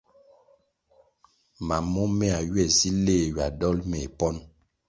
Mam momehya ywe si leh ywa dol meh ponʼ.